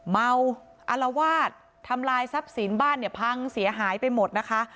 เมาอารวาสทำลายทรัพย์สินบ้านเนี่ยพังเสียหายไปหมดนะคะ